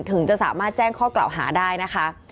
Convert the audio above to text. ถึงจะสามารถแจ้งข้อกล่าวหาได้นะคะ